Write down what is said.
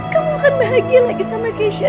kamu akan bahagia lagi sama keisha